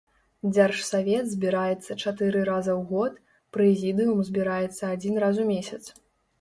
Дзяржсавет збіраецца чатыры раза ў год, прэзідыум збіраецца адзін раз у месяц.